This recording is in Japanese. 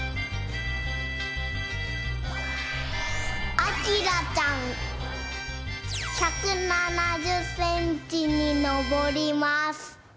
あきらちゃん１７０センチにのぼります。